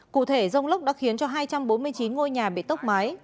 cụ thể rông lốc đã khiến hai trăm bốn mươi chín ngôi nhà bị tốc máy